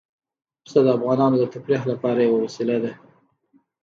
پسه د افغانانو د تفریح لپاره یوه وسیله ده.